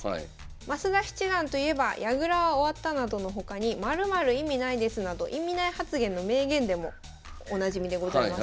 増田七段といえば「矢倉は終わった」などの他に「○○意味ないです」など意味ない発言の名言でもおなじみでございます。